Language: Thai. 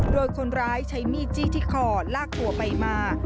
โดยคนร้ายใช้มีดจี้ที่คอลากตัวไปมา